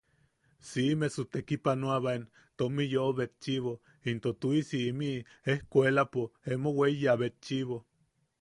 Siʼimesu, te tekipanoabaen tomi yoʼo betchiʼibo into tuʼisi imiʼi ejkuelapo emo weiya betchiʼibo.